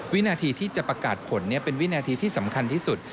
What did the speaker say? วินาทีที่จะประกาศผลเป็นวินาทีที่สำคัญที่สุด